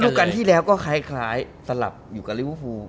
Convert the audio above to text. ฤดูการที่แล้วก็คล้ายสำหรับอยู่กับริวภู